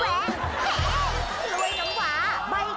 เฉยแล้วร้อยละวะ